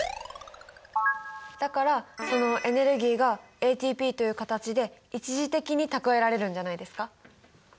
だからそのエネルギーがＡＴＰという形で一時的に蓄えられるんじゃないですか？